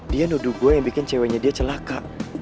dia nuduh gue yang bikin ceweknya dia celaka